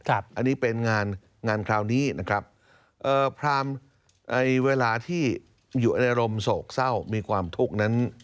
อันนี้เป็นงานงานคราวนี้นะครับพรามเวลาที่อยู่ในอารมณ์โศกเศร้ามีความทุกข์นั้น